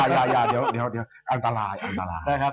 เอออย่าอย่าอย่าเดี๋ยวอันตรายอันตราย